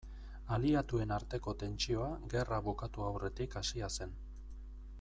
Aliatuen arteko tentsioa gerra bukatu aurretik hasia zen.